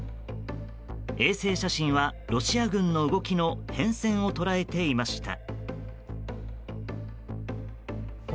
衛星写真は、ロシア軍の動きの変遷を捉えていました。